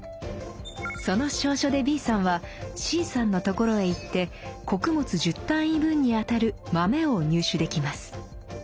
その証書でＢさんはＣさんのところへ行って「穀物１０単位分」にあたる「豆」を入手できます。